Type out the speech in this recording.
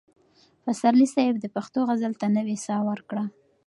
پسرلي صاحب د پښتو غزل ته نوې ساه ورکړه.